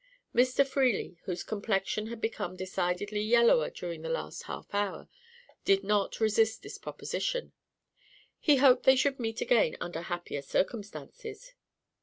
Mr. Freely, whose complexion had become decidedly yellower during the last half hour, did not resist this proposition. He hoped they should meet again "under happier circumstances."